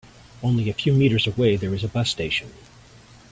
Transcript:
Only a few meters away there is a bus station.